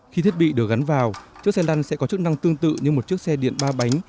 khi thiết bị được gắn vào chiếc xe đăn sẽ có chức năng tương tự như một chiếc xe điện ba bánh